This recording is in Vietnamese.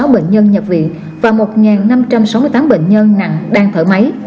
hai bốn mươi sáu bệnh nhân nhập viện và một năm trăm sáu mươi tám bệnh nhân nặng đang thở máy